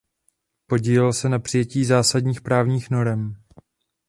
Podílel se na přijetí zásadních právních norem.